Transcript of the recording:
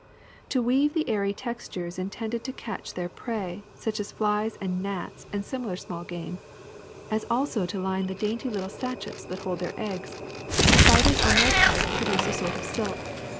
To w^eave the airy text ures intended to catch their prey, such as flies and gnats and similar small game, as also to line the dainty little sachets that hold their eggs, spiders on their part produce a sort of silk.